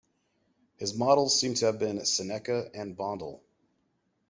His models seem to have been Seneca and Vondel.